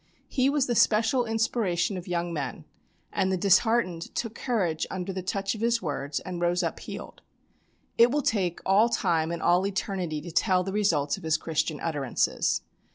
He was the special inspiration of young men, and the disheartened took courage under the touch of his words and rose up healed. It will take all time and all eternity to tell the results of his Christian utterances.